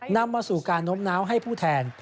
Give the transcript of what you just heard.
นำมาสู่การน้มน้าวให้ผู้แทน